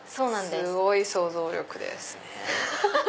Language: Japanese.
すごい想像力ですね。